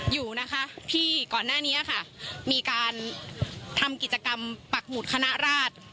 อยู่นะคะที่ก่อนหน้านี้ค่ะมีการทำกิจกรรมปักหมุดคณะราช